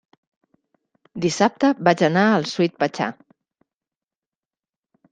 Dissabte vaig anar al Sweet Pachá.